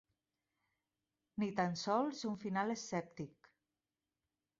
Ni tan sols un final escèptic.